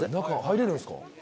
中入れるんですか。